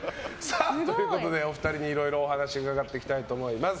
お二人にいろいろお話伺っていきたいと思います。